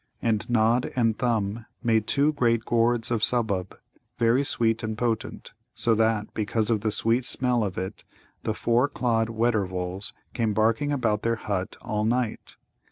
And Nod and Thumb made two great gourds of Subbub, very sweet and potent, so that, because of the sweet smell of it, the four clawed Weddervols came barking about their hut all night.